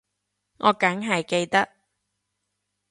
我梗係記得